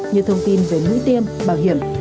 như thông tin về mũi tiêm bảo hiểm